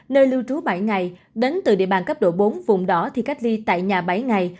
nơi lưu trú bảy ngày đến từ địa bàn cấp độ bốn vùng đó thì cách ly tại nhà bảy ngày